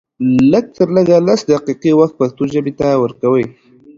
لږ تر لږه لس دقيقې وخت پښتو ژبې ته ورکوئ